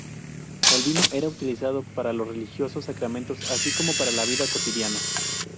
El vino era utilizado para los religiosos sacramentos, así como para la vida cotidiana.